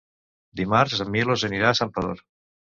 Dimarts en Milos anirà a Santpedor.